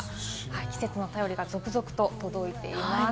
季節の便りが続々と届いています。